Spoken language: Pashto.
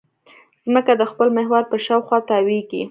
ځمکه د خپل محور په شاوخوا تاوېږي.